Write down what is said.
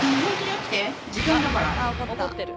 怒ってる。